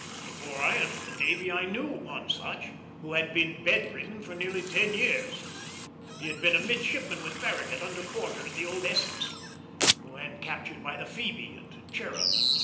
Before I entered the navy I knew one such, who had been bed ridden for nearly ten years. He had been a midshipman with Farragut under Porter in the old Essex, when captured by the Phoebe and Cherub.